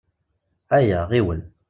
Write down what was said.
Ayya, ɣiwel!